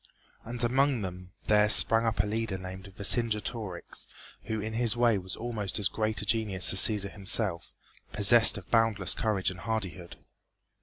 And among them there sprang up a leader named Vercingetorix, who in his way was almost as great a genius as Cæsar himself, possessed of boundless courage and hardihood.